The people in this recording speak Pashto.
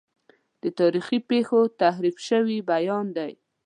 د تاریخي پیښو تحریف شوی بیان دی.